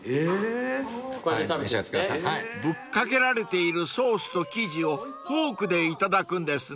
［ぶっかけられているソースと生地をフォークでいただくんですね］